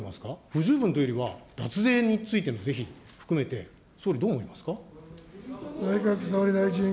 不十分というよりは、脱税についてのぜひ含めて、総理、どう思いますか。